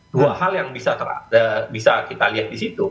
dua hal yang bisa kita lihat di situ